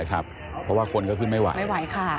เพราะว่าคนก็ขึ้นไม่ไหว